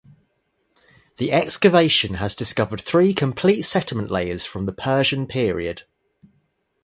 The excavation has discovered three complete settlement layers from the Persian period.